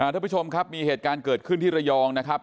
ท่านผู้ชมครับมีเหตุการณ์เกิดขึ้นที่ระยองนะครับ